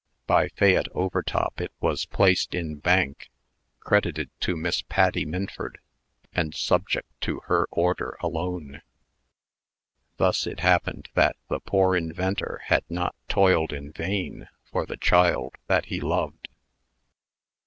By Fayette Overtop it was placed in bank, credited to Miss Patty Minford, and subject to her order alone. Thus it happened that the poor inventor had not toiled in vain for the child that he loved.